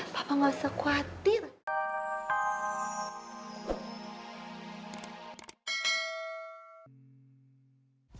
papa nggak usah khawatir